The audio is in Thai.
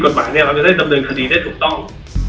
เราก็จะได้จำเดินตัวอย่างผิดจากดีตสั้นศักดีที่ได้ถูกต้อง